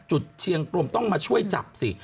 เชียงกลมต้องมาช่วยจับสิ